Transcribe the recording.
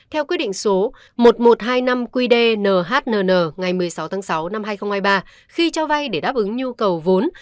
theo quy định số một mươi một nghìn hai trăm hai mươi năm qdnhnn ngày một mươi sáu tháng sáu năm hai nghìn hai mươi ba khi cho vay để đáp ứng nhu cầu vốn